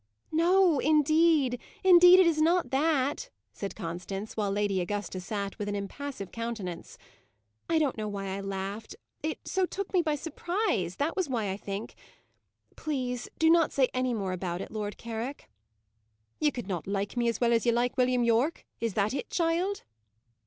"No, indeed, indeed it is not that," said Constance, while Lady Augusta sat with an impassive countenance. "I don't know why I laughed. It so took me by surprise; that was why, I think. Please do not say any more about it, Lord Carrick." "Ye could not like me as well as ye like William Yorke? Is that it, child?"